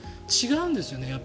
違うんですよね